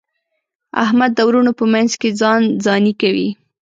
احمد د وروڼو په منځ کې ځان ځاني کوي.